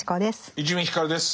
伊集院光です。